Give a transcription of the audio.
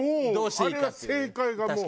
あれは正解がもう。